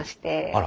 あら。